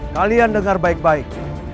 kalian dengar baik baik